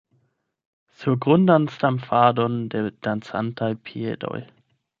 Surgrundan stamfadon de dancantaj piedoj.